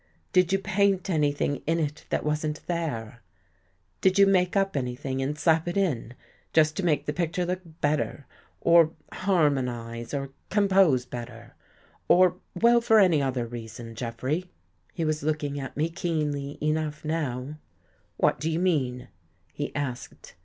" Did you paint anything in it that wasn't there? Did you make up anything and slap it in, just to make the picture look better — or harmonize — or com pose better — or, well for any other reason, Jeff rey?" He was looking at me keenly enough now. 66 BELIEVING IN GHOSTS "What do you mean?" he asked.